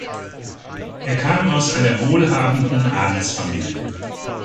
Er kam aus einer wohlhabenden Adelsfamilie.